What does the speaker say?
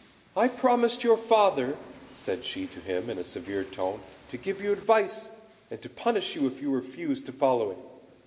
"I promised your father," said she to him, in a severe tone, "to give you advice, and to punish you if you refused to follow it.